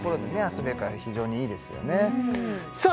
遊べるから非常にいいですよねさあ